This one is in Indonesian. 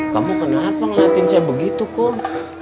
kamu kenapa ngeliatin saya begitu kok